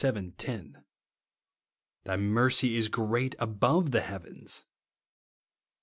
10) ;" thy mercy is great above the heavens," (Psa.